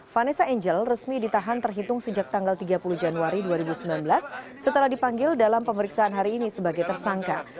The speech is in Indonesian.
vanessa angel resmi ditahan terhitung sejak tanggal tiga puluh januari dua ribu sembilan belas setelah dipanggil dalam pemeriksaan hari ini sebagai tersangka